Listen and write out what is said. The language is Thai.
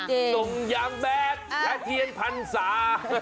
ส่งยังแบบแห่เทียนพรรษา